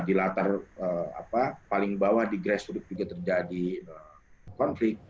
di latar paling bawah di grassroot juga terjadi konflik